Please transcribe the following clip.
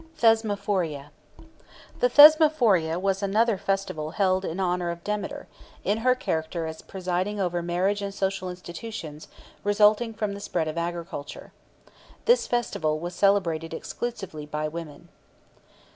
THESMOPHORIA. The Thesmophoria was another festival held in honour of Demeter, in her character as presiding over marriage and social institutions resulting from the spread of agriculture. This festival was celebrated exclusively by women.